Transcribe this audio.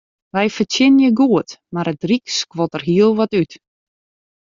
Wy fertsjinje goed, mar it ryk skuort der hiel wat út.